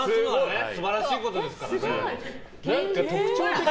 素晴らしいことですからね。